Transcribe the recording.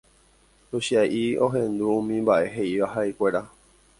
Luchia'i ohendu umi mba'e he'íva ha'ekuéra